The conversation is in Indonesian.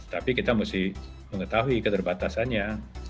tapi kita mesti mengetahui keterbatasannya